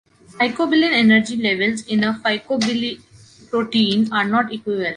Phycobilin energy levels in a phycobiliprotein are not equivalent.